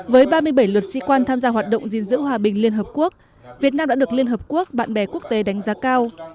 với ba mươi bảy luật sĩ quan tham gia hoạt động gìn giữ hòa bình liên hợp quốc việt nam đã được liên hợp quốc bạn bè quốc tế đánh giá cao